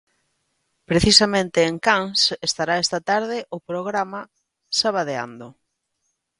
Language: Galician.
Precisamente en Cans estará esta tarde o programa Sabadeando.